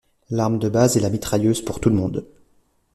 L'arme de base est la mitrailleuse pour tout le monde.